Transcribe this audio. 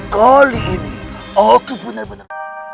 kali ini aku benar benar